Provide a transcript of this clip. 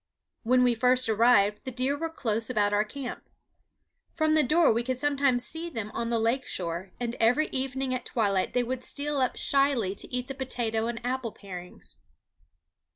When we first arrived the deer were close about our camp. From the door we could sometimes see them on the lake shore, and every evening at twilight they would steal up shyly to eat the potato and apple parings.